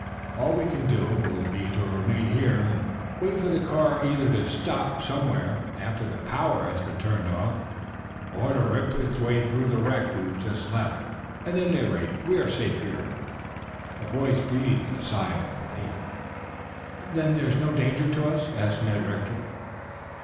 All we can do will be to remain here and wait for the car either to stop somewhere after the power has been turned off or to rip its way through the wreck we just left. At any rate we are safe in here." The boys breathed a sigh of relief. "Then, there is no danger to us?" asked Ned Rector.